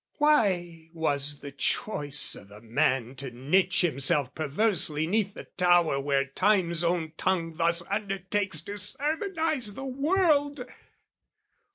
Why was the choice o' the man to niche himself Perversely 'neath the tower where Time's own tongue Thus undertakes to sermonise the world?